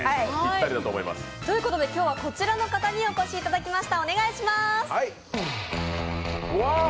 ということで、今日はこちらの方に起こしいただきました。